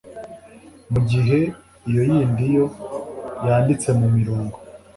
mu gihe iyo yindi yo yanditse mu mirongo.